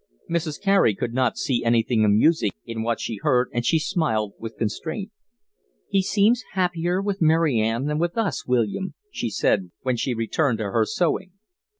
Mrs. Carey could not see anything amusing in what she heard, and she smiled with constraint. "He seems happier with Mary Ann than with us, William," she said, when she returned to her sewing.